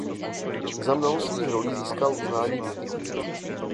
Za mnoho svých rolí získal uznání kritiků.